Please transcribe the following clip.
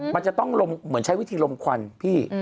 มันจะต้องเหมือนใช้วิธีลมควันพี่